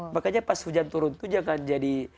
makanya pas hujan turun itu jangan jadi